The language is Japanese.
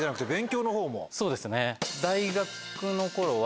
そうですね。